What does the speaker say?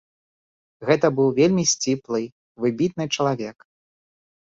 Гэта быў вельмі сціплы, выбітны чалавек.